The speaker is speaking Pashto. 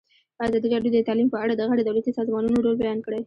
ازادي راډیو د تعلیم په اړه د غیر دولتي سازمانونو رول بیان کړی.